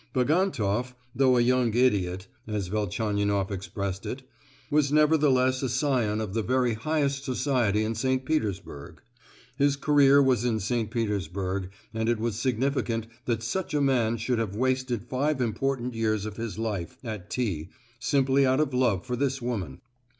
Bagantoff, though a young idiot (as Velchaninoff expressed it), was nevertheless a scion of the very highest society in St. Petersburg. His career was in St. Petersburg, and it was significant that such a man should have wasted five important years of his life at T—— simply out of love for this woman.